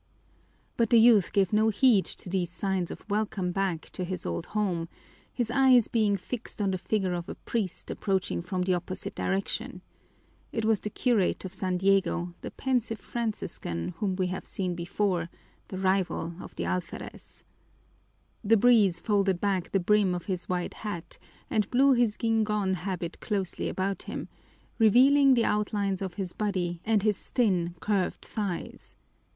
But the youth gave no heed to these signs of welcome back to his old home, his eyes being fixed on the figure of a priest approaching from the opposite direction. It was the curate of San Diego, the pensive Franciscan whom we have seen before, the rival of the alferez. The breeze folded back the brim of his wide hat and blew his guingón habit closely about him, revealing the outlines of his body and his thin, curved thighs.